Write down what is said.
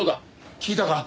聞いたか？